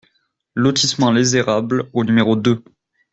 Lotissement Les Érables au numéro deux